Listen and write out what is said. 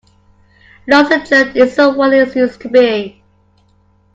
Nostalgia isn't what it used to be.